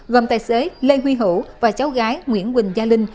gồm tài xế lê huy hữu và cháu gái nguyễn quỳnh gia linh